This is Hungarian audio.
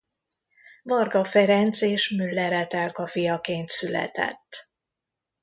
Varga Ferenc és Müller Etelka fiaként született.